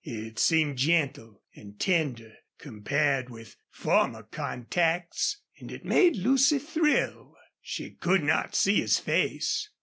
It seemed gentle and tender compared with former contacts, and it made Lucy thrill. She could not see his face.